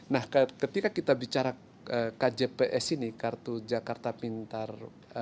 nah ketika kita bicara kjps ini kartu jakarta pintar